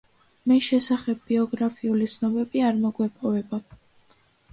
მის შესახებ ბიოგრაფიული ცნობები არ მოგვეპოვება.